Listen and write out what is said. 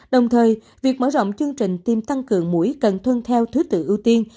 đồng thời việc mở rộng chương trình tiêm tăng cường mũi cần tuân theo thứ tự ưu tiên